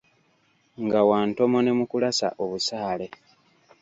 Nga wa ntomo ne mu kulasa obusaale.